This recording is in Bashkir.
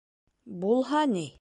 — Булһа ни?